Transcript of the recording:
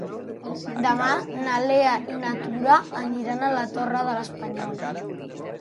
Demà na Lea i na Tura aniran a la Torre de l'Espanyol.